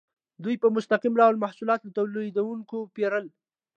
دوی په مستقیم ډول محصولات له تولیدونکو پیرل.